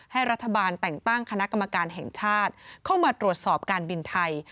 ให้รัฐบาลแต่งตั้งคณะกรรมการแห่งชาติเข้ามาตรวจสอบการบินไทย